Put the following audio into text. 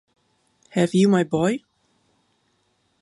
Have you, my boy?